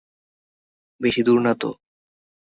বেশি দূর নাতো।